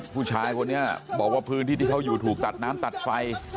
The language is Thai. ผู้ชายคนนี้บอกว่าพื้นที่ที่เขาอยู่ถูกตัดน้ำตัดไฟ